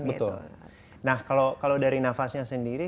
betul nah kalau dari nafasnya sendiri